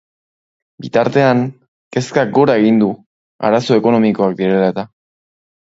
Bitartean, kezkak gora egin du arazo ekonomikoak direla eta.